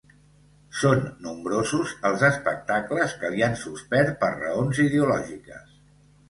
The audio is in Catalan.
Són nombrosos els espectacles que l'hi han suspès per raons ideològiques.